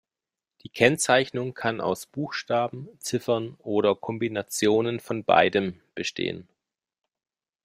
Die Kennzeichnung kann aus Buchstaben, Ziffern oder Kombinationen von beidem bestehen.